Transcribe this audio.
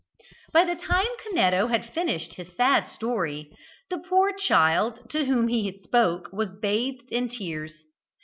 By the time Canetto had finished his sad story, the poor child to whom he spoke was bathed in tears.